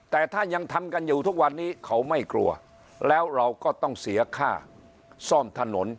แต่ถ้ายังทำกันอยู่ทุกวันนี้เขาไม่กลัวแล้วเราก็ต้องเสียค่าซ่อมถนน